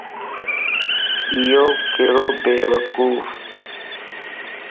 ايو ڪيڙو بيوقوفَ